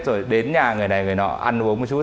rồi đến nhà người này về nọ ăn uống một chút